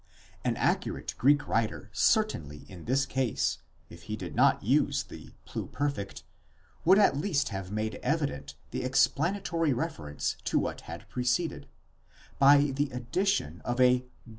An accurate Greek writer certainly in this case, if he did not use the pluperfect, would at least have made evident the explanatory reference to what had preceded, by the addition of a γὰρ to the ® Thus e.g.